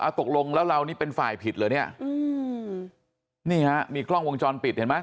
ตกลงแล้วเรานี่เป็นฝ่ายผิดเหรอเนี่ยนี่ฮะมีกล้องวงจรปิดเห็นไหม